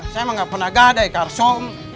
saya mah gak pernah gadai kar som